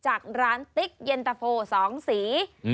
จากร้านติ๊กเย็นตะโฟ๒สี